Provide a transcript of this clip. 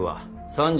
３０。